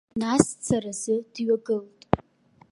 Нас дцаразы дҩагылт.